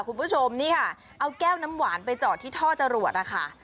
คุณผู้ชมนี่ค่ะเอาแก้วน้ำหวานไปจอดที่ท่อจรวดนะคะ